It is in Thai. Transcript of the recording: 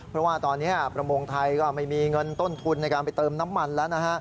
เพราะว่าตอนนี้ประมงไทยก็ไม่มีเงินต้นทุนในการไปเติมน้ำมันแล้วนะฮะ